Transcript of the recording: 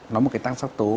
nó là một cái tăng sắc tố